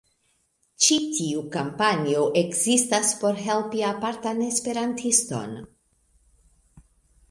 Ĉi tiu kampanjo ekzistas por helpi apartan Esperantiston